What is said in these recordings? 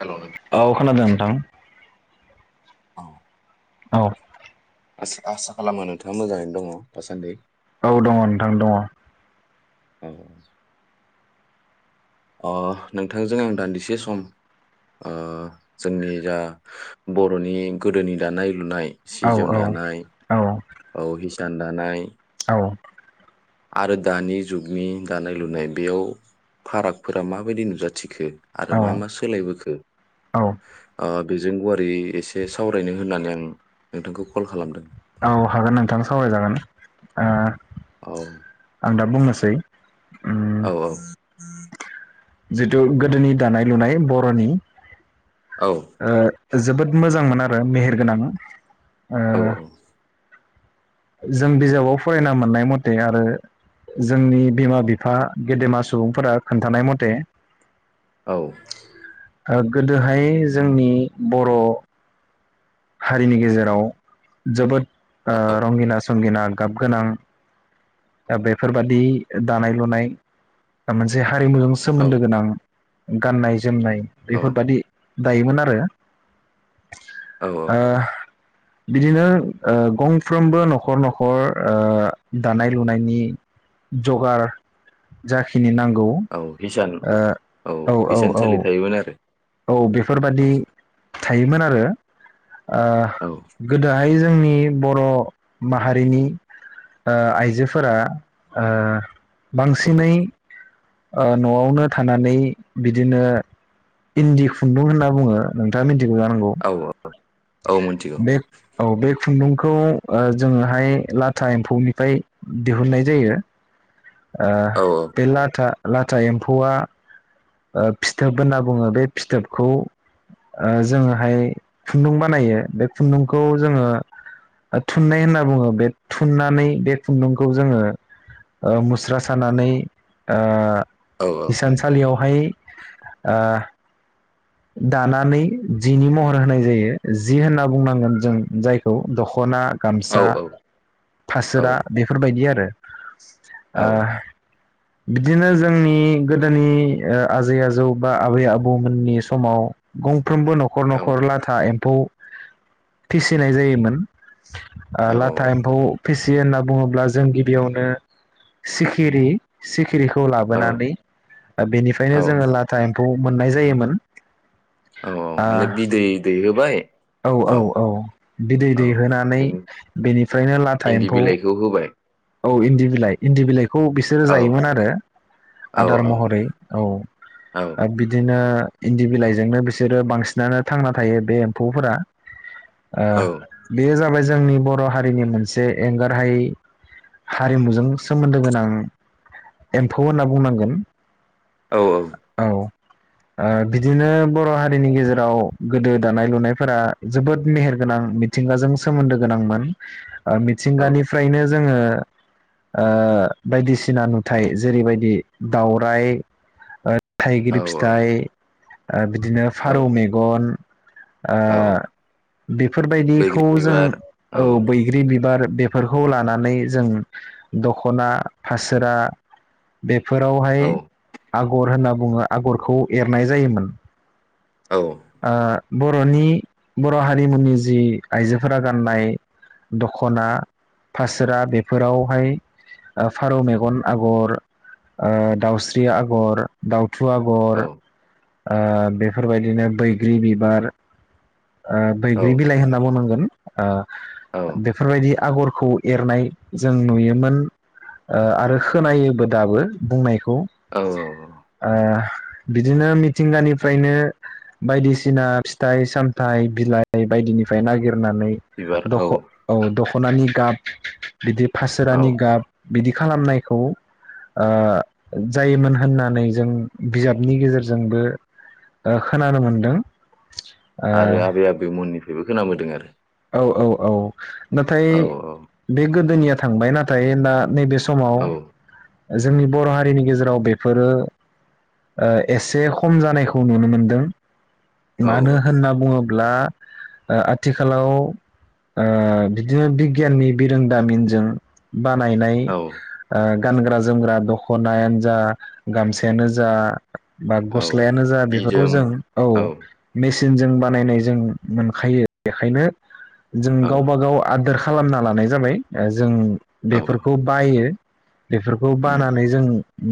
हेल' नोंथां औ खोनादों नोंथां औ औ आस-आस-आसा खालामो नोंथाङा मोजाङैनो दङ दासान्दि । औ दङ' नोंथां दङ' औ अह नोंथांजों आं दान्दिसे सम ओ जोंनि जा बरनि गोदोनि दानाय लुनाय सि औ जोम औ दानाय औ हिसान दानाय [unintelligible] आरो दानि जुगनि दानाय लुनाय बेयाव फारागफोरा माबायदि नुजाथिखो? आरो मा मा औ सोलायबोखो औ ओ बेजों गुवारै एसे सावरायनो होननानै आं नोंथांखौ कल खालामदों। औ हागोन नोंथां सावरायजागोन। ओ औ आं दा बुंनौसै जै औ औ जिथु गोदोनि दानाय लुनाय बर'नि औ ओ जोबोद मोजांमोन आरो मेहेर गोनां। औ औ जों बिजाबाव फरायना मोननाय मटे आरो जोंनि बिमा बिफा गेदेमा सुबुंफोरा खोन्थानाय मथे औ गोदोहाय जोंनि बर हारिनि गेजेराव जोबोद ओ रंगिना संगिना गाब गोनां दा बेफोरबादि दानाय लुनाय ओ मोनसे हारिमुजों औ सोमोन्दो गोनां गाननाय ज जोमनाय औ बेफोरबादि दायोमोन आरो औ ओ औ बिदिनो गंफ्रोमबो न'खर न'खर ओ दानाय लुनायनि जगार जाखिनि नां औ इसान औ इसानसलि थायोमोन आरो। औ बेफोरबादि थायोमोन आरो ओ औ गोदोहाय जो जोंनि बर‌' माहारिनि ओ आइजोफोरा बांसिनै ओ न'आवनो थानानै बिदिनो इन्दि खुन्दुं होनना बुङो नोंथाङा मोनथि [unintelligible] जानांगौ औ औ औ मिथिगौ बे औ बे खुन्दुं खौ ओ जोङोहाय लाथा एम्फौनिफाय दिहुननाय जायो। ओ औ बे लाथा लाथा एम्फौआ ओ फिथोब होनना बुङो बे फिथोबखौ ओ जोङोहाय खुन्दुं बानायो बे खुन्दुंखौ जोङो थुननाय होनना बुङो बे थुननानै बे खुन्दुंखौ जोङो ओ मुस्रा सानानै ओ औ हिसानसालियाव हाय आ दानानै जिनि महर होनाय जायो जि होनना बुंनांगोन जों जायखौ दख'ना औ गामसा औ फासोरा बेफोरबायदि आरो औ [unintelligible] ओ बिदिनो जोंनि गोदोनि ओ आजै आजौ बा आबै आबौमोननि स समाव गं फ्रोमबो नखर नखर लाथा एम फौ फिसिनाय जायोमोन ओ लाथा एम्फौ फिसि होनना बुङोब्ला जों गिबियावनो सिखिरि सिख खिरिखौ औ लाबोनानै ओ बेनिफ्रायनो औ जोङो लाथा एम खौ मोननाय जायोमोन। औ आ माने बिदै दैहोबाय औ औ औ बिदै औ दै होनानै बेनि बेनिफ्रायनो लाथा इन्दि एम्फौ बिलाइखौ होबाय औ इन्दि बिलाइ इन्दि इन्दि बिलाइ बिलाइखौ बिसोरो औ जायोमोन आरो औ आदार महरै औ औ बिदिनो इन्दि बिलाइजोंनो बिसोरो बांसिनानो थांना थायो बे एम्फौफोरा ओ औ बेयो जाबाय जोंनि बर' हारिनि मोनसे एंगारहायै हारिमुजों सोमोन्दो गोनां एम्फौ होनना बुंनांगोन। औ औ ओ बिदिनो बर' हारिनि गेजेराव गोदो दानाय लुनायफोरा जोबोद मेहेरगोनां मिथिंगाजों सोमोन्दो गोनांमोन ओ मिथिंगानिफ्रायनो जोङो ओ बायदिसिना नुथाय जेरैबायदि दावराय ओ औ थाइगिर फिथाइ ओ बिदिनो औ फारौ मेगन आ औ बैग्रि बेफोरबायदिखौ जों बिबार औ बैग्रि बिबार। बेफोरखौ लानानै जों दख'ना फासोरा बे फोरावहाय औ आगर होनना बुङो। आगरखौ एरनाय जायोमोन औ आ बर'नि बर' हारिमुनि जि आइजोफोरा गाननाय दखना फासोरा बेफोरावहाय ओ फारौ मेगन आगर ओ दाउस्रि आगर दाउ। थु औ आगर ओ बेफोरबायदिनो बैग्रि बिबार ओ बैग्रि बिलाइ होनना बुंनांगोन औ औ बेफोर बायदि आगरखौ एरनाय जों नुयोमोन आरो खोनायोबो दाबो बुंनाय खौ औ आ बिदिनो मिथिंगानिफ्रायनो बायदिसिना फिथाइ साम थाइ बिलाइ बायदिनिफ्राय नागिर गाननानै बिबार औ द'ख औ दख' खनानि गाब बिदि फासोरानि गाब बिदि खालामनायखौ ओ जायोमोन होननानै जों बिजाबनि गेजेरजोंबो ओ खोनानो मोनदों आरो आबै आबैमोननि फा बेबो खोनाबोदों आरो औ औ औ नाथाय औ बे गोदोनि थांबाय नाथाय दा नैबे समाव जोंनि बर' हारिनि गेजेराव बेफोरो ओ एसे खम जानायखौ नुनो मोनदों औ मानो होनना बुङोबा ब्ला आथिखालाव ओ बिदिनो बिगियाननि बिरोंदामिनजों बानायनाय औ आ गानग्रा जोमग्रा दख'नायानो जा गामसायानो जा जा बा औ गस्लायानो जा जि बेफोरखौ जोम जों औ मेसे सिनजों बानायनाय जों मोनखायो बेखायनो जों औ गावबा गाव आदोर खालामना लानाय जाबाय ओ जों औ बेफोरखौ बायो बेफोरखौ उम बानानै जों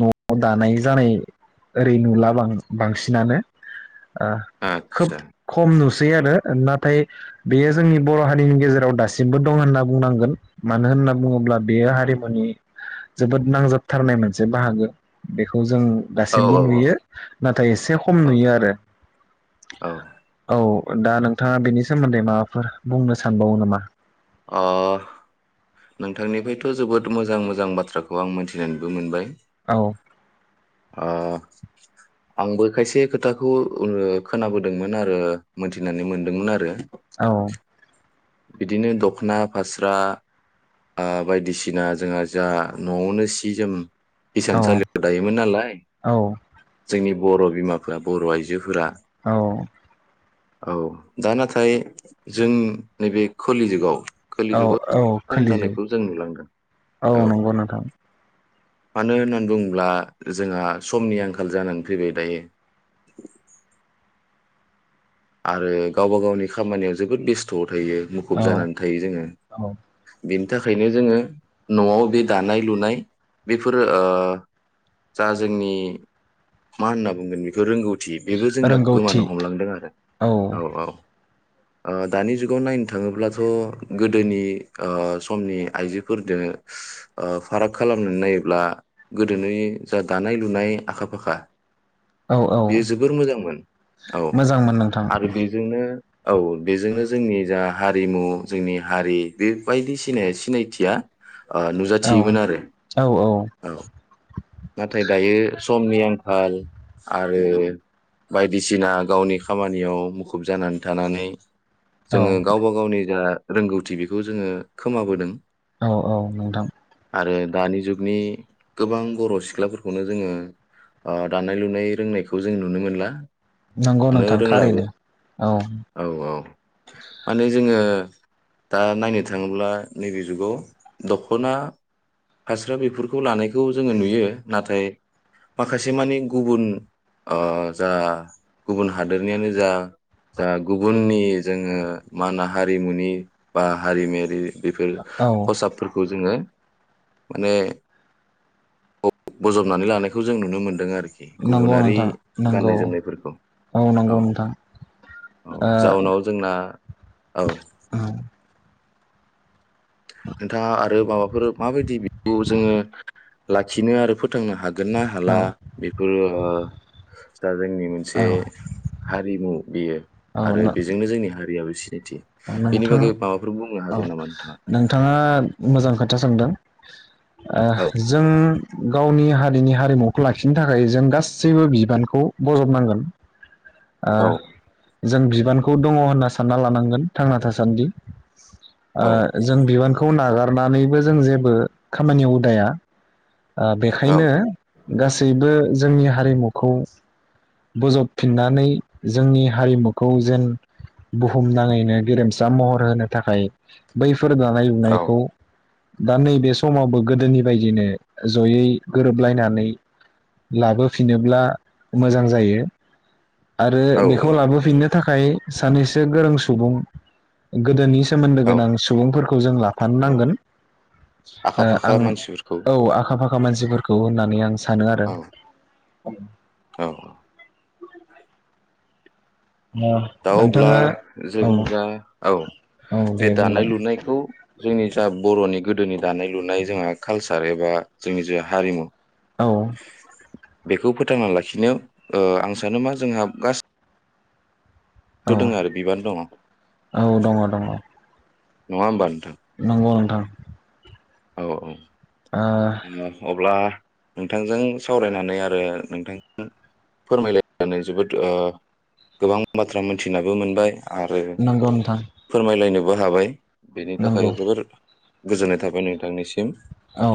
न'आव दानाय जानाय ओरै नुला बांसिनानो। ओ खोब आदसा खम नुस सै आरो नाथाय बेयो जोंनि बर' हारिनि गेजेराव दासिमबो दं होनना बुंनांगोन मानो होनना बुङोब्ला बेयो हारिमुनि जोबोद नांजाबथारनाय मोनसे बाहागो बेखौ जों औ दासिमबो नुयो नाथाय एसे खम नुयो आरो औ औ। दा नोंथाङा बेनि सोमोन्दै माबाफोर बुंनो सानबावो नामा अ' नोंथांनिफ्रायथ' जोबोद मोजां मोजां बाथ्राखौ आं मिथिनानैबो मोनबाय। औ अ आंबो खायसे खोथाखौ ओ खोनाबोदोंमोन आरो मोनथिनानै मोनदोंमोन आरो। औ बिदिनो दख'ना फास्रा ओ बायदिसिना जोंहा जा न'आवनो सि जोम औ इसानसालियाव दायोमोन नालाय औ जोंनि बर' बिमाफ्रा बर' आइजोफोरा औ औ दा नाथाय जों नैबे कोलि जुगाव खोलि औ जुगाव औ खम खोलि जुग जानायखौ जों नुलांदों औ नंगौ नोंथां मानो होननानै बुङोब्ला जोंहा समनि आंखाल जानानै फैबाय दायो आरो गावबा गावनि खामानियाव जोबोद बेस्थ' थायो मुखुब औ जानानै थायो जोङो औ बि बिनि थाखायनो जोङो न'आव बे दानाय लुनाय बेफोरो जा जोंनि मा होनना बुंगोन बेफोर रोंगौथि थि बेबो जोंना गोमानो रोंगौथि हमलांदों आरो औ औ औ ओ दानि जुगाव नायनो थाङोब्लाथ' गोदोनि ओ समनि आइजोफोरदो ओ फाराग खालामनानै नायोब्ला गोदोनि जा दानाय लुनाय आखा फाखा औ औ बेयो जोबोर मोजांमोन औ मोजांमोन नोंथां आरो बेजोंनो औ बेजोंनो जोंनि जा हारिमु जोंनि हारि बेबायदि सिनाय सिनायथिया ओ औ नुजाथियोमोन आरो औ नाथाय दायो समनि आंखाल आरो बायदिसिना गावनि खामानियाव मुखुब जानानै थानानै औ जोङो गावबा गावनि जा रोंगौथि बेखौ जोङो खोमाबोदों औ औ नोंथां आरो दानि जुगनि गोबां बर' सिख्लाफोरखौनो जोङो ओ दानाय लुनाय रोंनायखौ जों नुनो मोनला नंगौ मानो नोंथां रोंलाबो थारैनो औ औ औ माने जोङो दा नायनो थाङोब्ला नैबे जुगाव दख'ना फास्रा बेफोरखौ लानाय बेखौ जोङो नुयो नाथाय माखासे मानि गुबुन जा गुबुन हादोरनियानो जा जा गुबुननि जोङो मा होनो हारिमुनि बा हारिमायारि बेफोर औ खसाबफोरखौ जोङो माने बजबनानै लानायखौ जों नुनो मोनदों आरोखि आरोखि नंगौ गुबुनारि नोंथां नंगौ गाननाय जोमनायफोरखौ औ नंगौ नोंथां औ ओ जाउनाव जोंना औ औ नोंथाङा आरो माबाफोर माबायदि खौ जोङो लाखिनो आरो फोथांनो हा हागोना औ हाला बेबो दा जोंनि मोनसे औ हारिमु बियो आरो बेजोंनो जोंनि हारियाबो सि [unintelligible] औ नोंथां औ नोंथाङा नोंथाङा मोजां खोथा सोंदों [inaudible] औ ओ जों गावनि हारिनि हारिमुखौ लाखिनो थाखाय जों गासैबो बिबानखौ बजबनांगोन ओ औ जों बिबानखौ दङ होनना सानना लानांगोन थांना थासान्दि औ ओ जों बिबानखौ नागार नानैबो जों जेबो खामानियाव उदाया ओ औ बेखायनो गासैबो जोंनि हारिमुखौ बोजबफिननानै जोंनि हारिमुखौ जेन बुहुम नाङैनो गेरेमसा महर होनो थाखाय बै फोर दानाय औ लुनायखौ दा नैबे समावबो गोदोनि बायदिनो जयै गोरोबलायनानै लाबोफिनोब्ला मोजां जायो आरो औ औ बेखौ नंगौ लाबोफिननो थाखाय सानैसो गोरों सुबुं गोदोनि सोमोन्दो औ गोनां सुबुंफोरखौ जों लाफानो औ नांगोन आखा ओ फाखा आं मानसिफोरखौ औ आखा फाखा मानसिफोरखौ होननानै आं सानो आरो औ औ औ ओ दा अब्ला नोंथाङा जों औ जा औ औ दे बे दानाय बुंलाय लुनायखौ जोंनि जा बर'नि गोदोनि दानाय लुनाय जोंहा कालसार एबा जोंनि जा हारिमु औ बेखौ फोथांना लाखिनो ओ आं सानो मा जोंहा गासै औ थ' दोङो आरो बिबान दङ नङा औ दङ दङ होमबा नोंथां नंगौ नोंथां औ औ ओ अब्ला नोंथांजों सावरायनानै आरो नोंथांजों फोरमायलायनानै ओ जोबोद गोबां बाथ्रा मोनथिनाबो मोनबाय आरो नंगौ नोंथां फोरमायलायनोबो बो हाबाय बेनि थाखाय नंगौ जोबोर गोजोननाय थाबाय नोंथां नोंनिसिम औ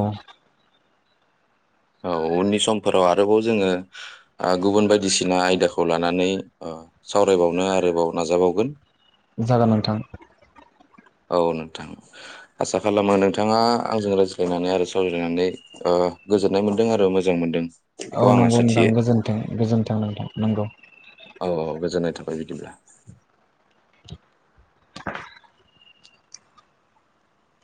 औ उननि समफोराव आरोबाव जोङो ओ गुबुन बायदिसिना आयदाखौ लानानै ओ सावरायबावनो आरोबाव नाजाबावगोन जागोन नोंथां औ नोंथां आसा खालामो नोंथाङा आंजों रायज्लायनानै आरो सावरायायनानै ओ गोजोननाय मोन्दों आरो मोजां मोनदों । औ नंगौ नोंथां गोजोनथों गोजोनथों नोंथां नंगौ । औ औ गोजोननाय थाबाय बिदिब्ला [inaudible]